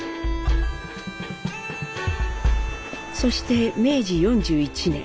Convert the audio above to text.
そして明治４１年。